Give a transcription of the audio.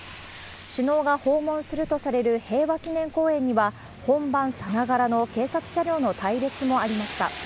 首脳が訪問するとされる平和記念公園には、本番さながらの警察車両の隊列もありました。